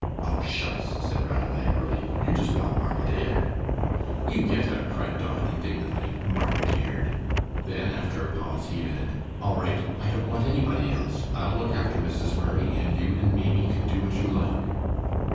"Oh, shucks!" said Ranald, angrily. "You just want Marget Aird." "You get out!" cried Don, indignantly; "Marget Aird!" Then, after a pause, he added, "All right, I don't want anybody else. I'll look after Mrs. Murray, and you and Maimie can do what you like."